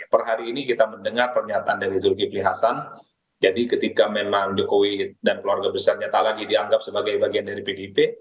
per hari ini kita mendengar pernyataan dari zulkifli hasan jadi ketika memang jokowi dan keluarga besarnya tak lagi dianggap sebagai bagian dari pdip